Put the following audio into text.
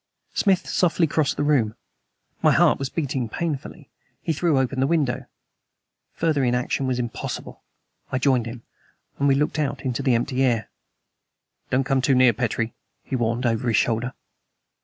Smith softly crossed the room. My heart was beating painfully. He threw open the window. Further inaction was impossible. I joined him; and we looked out into the empty air. "Don't come too near, Petrie!" he warned over his shoulder.